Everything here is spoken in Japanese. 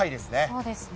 そうですね。